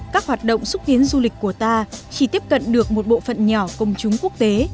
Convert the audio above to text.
các hoạt động xúc tiến du lịch của ta chỉ tiếp cận được một bộ phận nhỏ công chúng quốc tế